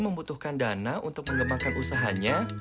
membutuhkan dana untuk mengembangkan usahanya